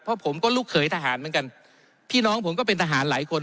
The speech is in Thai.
เพราะผมก็ลูกเขยทหารเหมือนกันพี่น้องผมก็เป็นทหารหลายคน